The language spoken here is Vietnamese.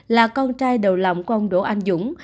là con trai đầu lòng của ông đỗ anh dũng